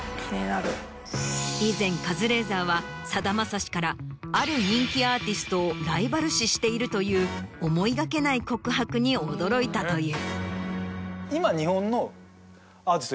以前カズレーザーはさだまさしからある人気アーティストをライバル視しているという思いがけない告白に驚いたという。